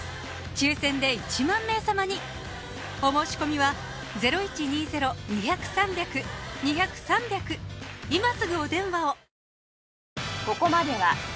抽選で１万名様にお申し込みは今すぐお電話を！